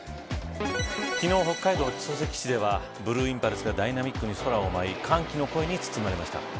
昨日、北海道、千歳基地ではブルーインパルスがダイナミックに空を舞い歓喜の声に包まれました。